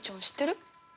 知ってる？